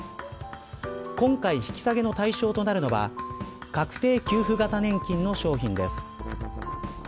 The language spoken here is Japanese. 今回、引き下げの対象となるのは確定給付型年金の商品です。